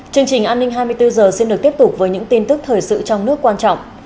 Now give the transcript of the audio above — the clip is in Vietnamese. chương trình an ninh hai mươi bốn h xin được tiếp tục với những tin tức thời sự trong nước quan trọng